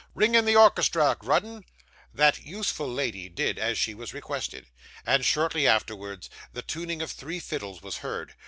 Ring in the orchestra, Grudden!' That useful lady did as she was requested, and shortly afterwards the tuning of three fiddles was heard.